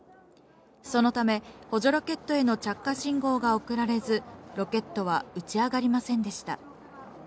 そのため、補助ロケットへの着火信号が送られず、ロケットは打ち上がりませんでした。